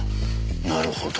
なるほど。